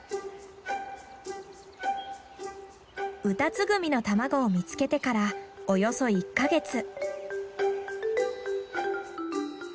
ウタツグミの卵を見つけてからおよそ１か月。